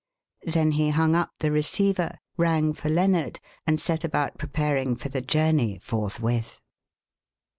Then he hung up the receiver, rang for Lennard, and set about preparing for the journey forthwith.